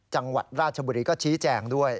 จังหวัดราชบุรีก็ชี้แจงด้วย